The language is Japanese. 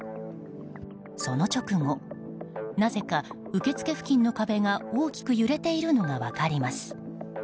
その直後、なぜか受付付近の壁が大きく揺れているのが分かります。